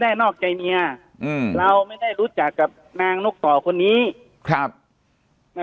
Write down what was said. นอกใจเมียอืมเราไม่ได้รู้จักกับนางนกต่อคนนี้ครับ